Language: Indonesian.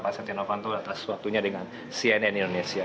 atas suatunya dengan cnn indonesia